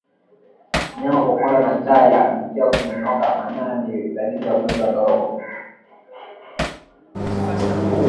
Mnyama kukonda na ncha ya mkia kunyonyoka manyoya ni dalili ya ugonjwa wa ndorobo